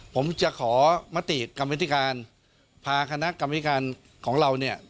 ผมจะขอมติกรรมวิธีการพาคณะกรรมธิการของเราเนี่ย